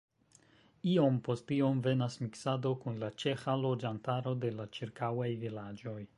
Iom post iom venas miksado kun la ĉeĥa loĝantaro de la ĉirkaŭaj vilaĝoj.